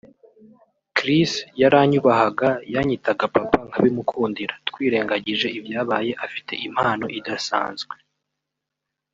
Chris yaranyubahaga yanyitaga papa nkabimukundira twirengagije ibyabaye afite impano idasanzwe